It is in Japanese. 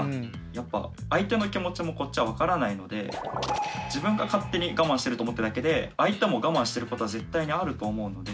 やっぱ相手の気持ちもこっちは分からないので自分が勝手に我慢してると思ってるだけで相手も我慢してることは絶対にあると思うので。